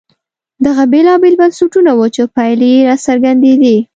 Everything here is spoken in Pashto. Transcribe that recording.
دغه بېلابېل بنسټونه وو چې پایلې یې راڅرګندېدې.